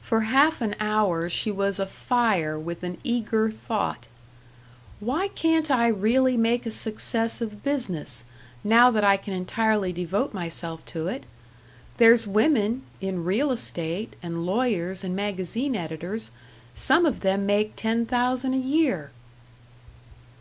For half an hour she was afire with an eager thought: "Why can't I really make a success of business, now that I can entirely devote myself to it? There's women in real estate, and lawyers and magazine editors some of them make ten thousand a year."